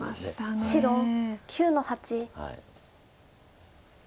白９の八。